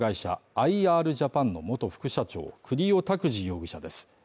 アイ・アールジャパンの元副社長、栗尾拓滋容疑者です。